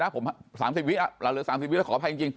ผม๓๐วิเหลือ๓๐วิแล้วขออภัยจริง